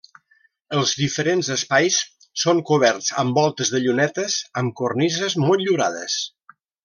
Els diferents espais són coberts amb voltes de llunetes, amb cornises motllurades.